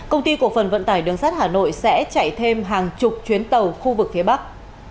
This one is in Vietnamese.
công ty cổ phần vận tải đường sắt hà nội sẽ chạy thêm hàng chục chuyến tàu khu vực phía bắc